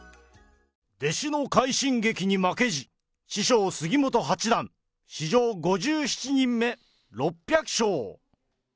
弟子の快進撃に負けじ、師匠、杉本八段、史上５７人目、６００勝。